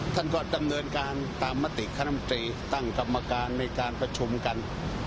ท่านก็ดำเนินการตามมติคณะมตรีตั้งกรรมการในการประชุมกัน